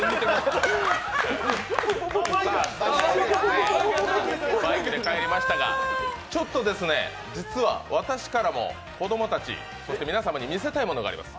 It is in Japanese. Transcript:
バイクで帰りましたが、ちょっと、実は、私からも子供たち、皆さんに見せたいものがあります。